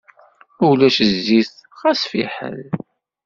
Ma ulac zzit xas fiḥel.